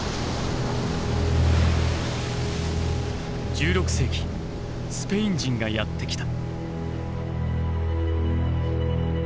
１６世紀スペイン人がやって来た。